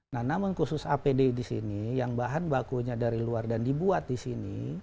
nah namun khusus apd di sini yang bahan bakunya dari luar dan dibuat di sini